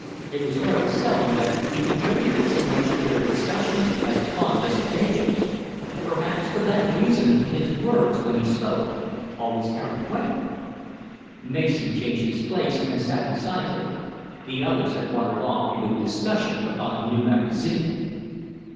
It was very seldom that he contributed so much to their discussions as upon this occasion. Perhaps for that reason his words, when he spoke, always carried weight. Mason changed his place and sat beside him. The others had wandered off into a discussion upon a new magazine.